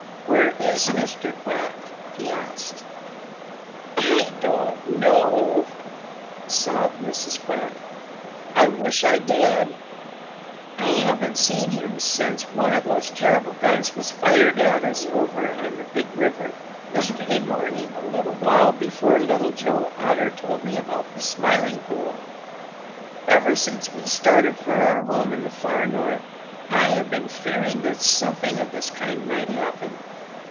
"Where is Mr. Quack?" he asked. "I don't know," sobbed Mrs. Quack. "I wish I did. I haven't seen him since one of those terrible guns was fired at us over on the Big River yesterday morning a little while before Little Joe Otter told me about the Smiling Pool. Ever since we started for our home in the far North, I have been fearing that something of this kind might happen.